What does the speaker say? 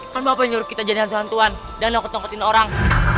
kan bapak yang suruh kita jadi hantu hantuan dan nangkut nangkutin orang